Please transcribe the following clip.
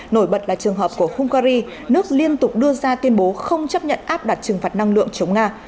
nổi bật là trường hợp của hungary nước liên tục đưa ra tuyên bố không chấp nhận áp đặt trừng phạt năng lượng chống nga